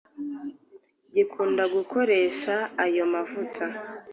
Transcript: gikunda gukoresha ayo mavuta